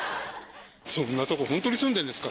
そんなとこホントに住んでるんですか？